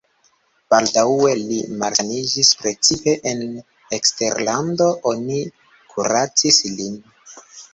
Baldaŭe li malsaniĝis, precipe en eksterlando oni kuracis lin.